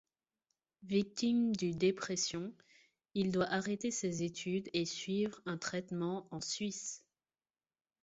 Victime d'une dépression, il doit arrêter ses études et suivre un traitement en Suisse.